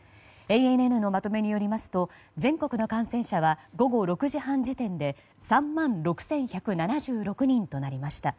ＡＮＮのまとめによりますと全国の感染者は午後６時半時点で３万６１７６人となりました。